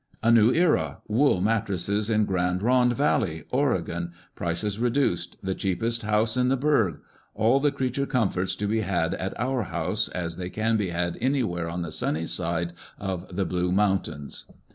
" A new era ! Wool mattresses in Grande Ronde Valley, Oregon. Prices reduced. The cheapest house in the ' burg.' All the creature comforts to be had at ' our house ' as they can be had anywhere on the sunny side of the Blue Mountains.